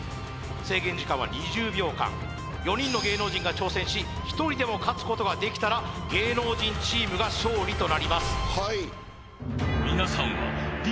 制限時間は２０秒間４人の芸能人が挑戦し一人でも勝つことができたら芸能人チームが勝利となります